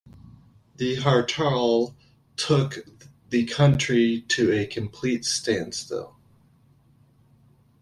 The Hartal took the country to a complete standstill.